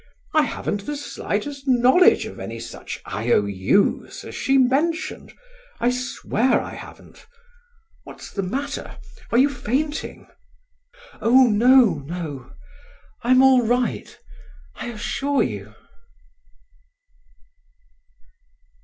"I haven't the slightest knowledge of any such IOU's as she mentioned, I swear I haven't—What's the matter, are you fainting?" "Oh, no—no—I'm all right, I assure you!"